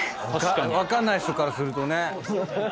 分かんない人からするとね。